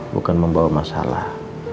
bukan membawa masalah